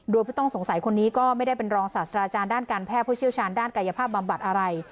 โดยผู้ต้องสงสัยคนนี้ก็ไม่ได้เป็นรองศาสตราจารย์ด้านการแพทย์ผู้เชี่ยวชาญด้านกายภาพบำบัดอะไร